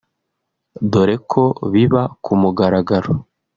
dore ko biba ku mugaragaro